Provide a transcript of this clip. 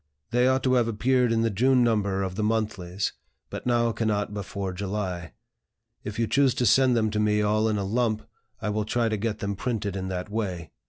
They ought to have appeared in the June number of the monthlies, but now cannot before July. If you choose to send them to me all in a lump, I will try to get them printed in that way.